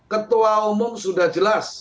ketua umum sudah jelas